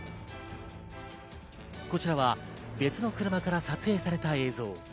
こちらは別の車から撮影された映像。